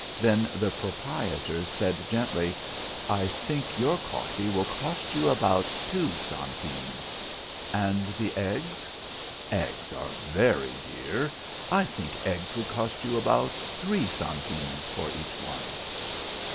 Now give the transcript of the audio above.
Then the proprietor said gently, "I think your coffee will cost you about two centenes." "And the eggs?" "Eggs are very dear. I think eggs would cost you about three centenes for each one."